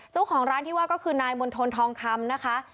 เจ้าของร้านที่ว่าก็คือนายมณฑลทองคำนะคะ